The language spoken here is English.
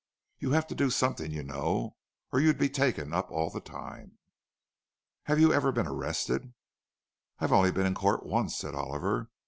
You have to do something, you know, or you'd be taken up all the time." "Have you ever been arrested?" "I've only been in court once," said Oliver.